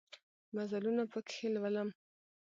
مزلونه پکښې لولم